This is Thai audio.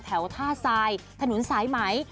แถวท่าทรายถนนสายไหม